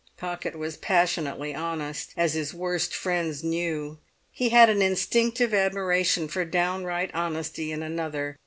Pocket was passionately honest, as his worst friends knew; he had an instinctive admiration for downright honesty in another.